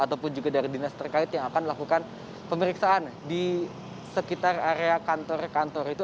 ataupun juga dari dinas terkait yang akan melakukan pemeriksaan di sekitar area kantor kantor itu